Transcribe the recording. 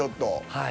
はい。